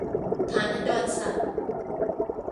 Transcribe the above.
ฐานันดรศักดิ์